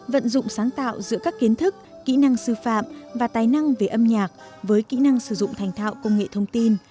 vận dụng sáng tạo giữa các kiến thức kỹ năng sư phạm và tài năng về âm nhạc với kỹ năng sử dụng thành thạo công nghệ thông tin